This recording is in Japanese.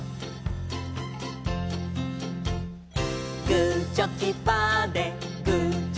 「グーチョキパーでグーチョキパーで」